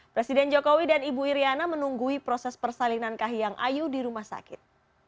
presiden jokowi dan ibu iryana menunggui proses persalinan kahiyang ayu di rumah sakit